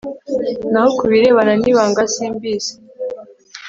Naho ku birebana n ibanga simbizi